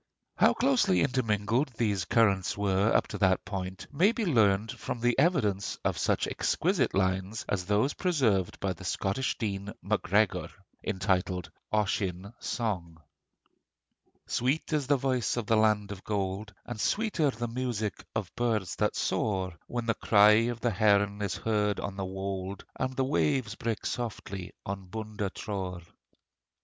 How closely intermingled these currents were up to that point may be learnt from the evidence of such exquisite lines as those preserved by the Scottish Dean Macgregor, entitled 'Ossian Sang': Sweet is the voice in the land of gold, And sweeter the music of birds that soar, When the cry of the heron is heard on the wold, And the waves break softly on Bundatrore.